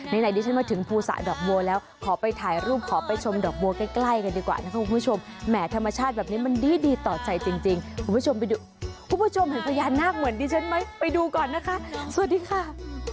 ไหนดิฉันมาถึงภูสะดอกบัวแล้วขอไปถ่ายรูปขอไปชมดอกบัวใกล้กันดีกว่านะคะคุณผู้ชมแหมธรรมชาติแบบนี้มันดีต่อใจจริงคุณผู้ชมไปดูคุณผู้ชมเห็นพญานาคเหมือนดิฉันไหมไปดูก่อนนะคะสวัสดีค่ะ